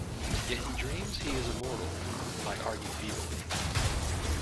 Yet he dreams he is immortal, I argue feebly.